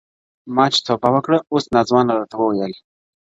• ما چي توبه وکړه اوس نا ځوانه راته و ویل,